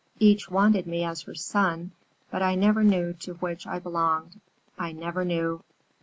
Each wanted me as her son, but I never knew to which I belonged. I never knew!